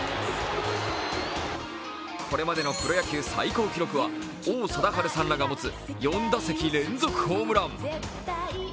これまでのプロ野球最高記録は王貞治さんらが持つ４打席連続ホームラン。